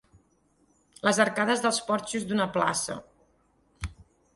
Les arcades dels porxos d'una plaça.